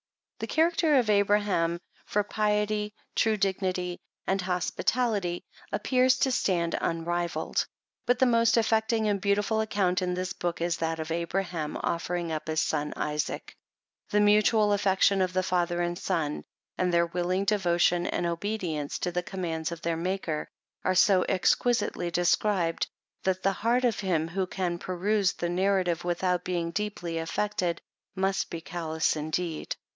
The character of Abraham, for piety, true dignity and hospitality, ap pears to stand unrivalled ; but the most affecting and beautiful account in this book, is that of Abraham offering up his son Isaac. The mutual affection of the father and son, and their willing devotion and obedience to the commands of their Maker, are so exquisitely described, that the heart of him who can peruse the narrative without being deeply affected, must be callous indeed.